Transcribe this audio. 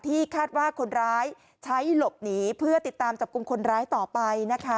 คาดว่าคนร้ายใช้หลบหนีเพื่อติดตามจับกลุ่มคนร้ายต่อไปนะคะ